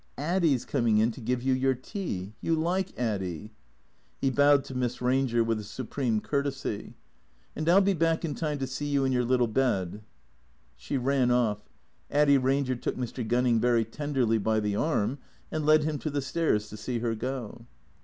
"Addy's coming in to give you your tea. You like Addy." (He bowed to Miss Ranger with a supreme courtesy.) "And I '11 be back in time to see you in your little bed." She ran off. Addy Eanger took Mr. Gunning very tenderly by the arm and led him to the stairs to see her go.